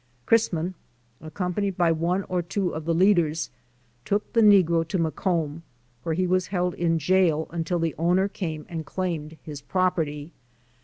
Chrisman, accompanied by one or two of the leaders, took the negro to Macomb where he was held in jail until the owner came and claimed his property.